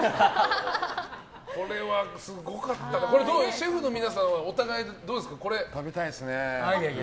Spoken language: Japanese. シェフの皆さんはお互い、どうですか。